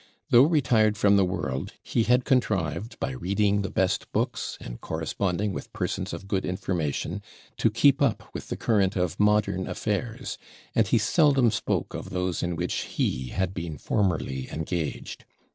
Though retired from the world, he had contrived, by reading the best books, and corresponding with persons of good information, to keep up with the current of modern affairs; and he seldom spoke of those in which he had been formerly engaged.